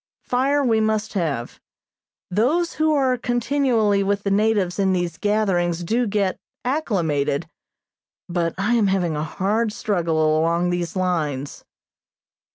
Fire we must have. Those who are continually with the natives in these gatherings do get "acclimated," but I am having a hard struggle along these lines.